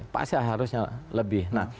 pasti harusnya lebih